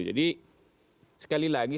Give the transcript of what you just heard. jadi sekali lagi